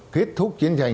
kết thúc chiến tranh